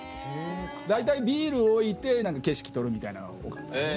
大体ビール置いて景色撮るみたいなのが多かった。